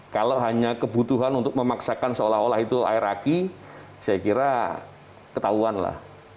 kalau hanya kebutuhan untuk memaksakan seolah olah itu air aki saya kira ketahuan lah